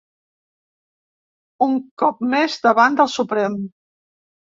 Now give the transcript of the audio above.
Un cop més davant del Suprem.